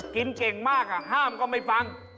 กินเก่งมากห้ามก็ไม่ฟัง